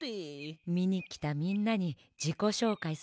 みにきたみんなにじこしょうかいするってことね？